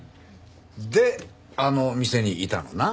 であの店にいたのな？